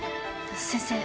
先生